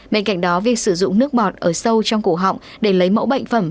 bên cạnh đó việc sử dụng nước bọt ở sâu trong cổ họng để lấy mẫu bệnh phẩm